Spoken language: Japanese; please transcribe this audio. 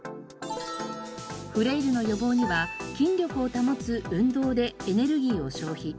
フレイルの予防には筋力を保つ運動でエネルギーを消費。